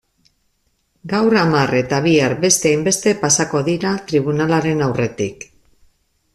Gaur hamar eta bihar beste hainbeste pasako dira tribunalaren aurretik.